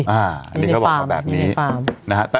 อันนี้เขาบอกเขาแบบนี้นะฮะ